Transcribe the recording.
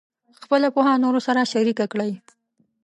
خپله پوهه نورو سره شریکه کړئ.